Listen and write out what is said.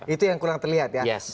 itu yang kurang terlihat ya